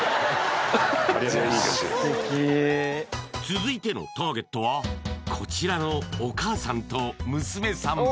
続いてのターゲットはこちらのお母さんと娘さん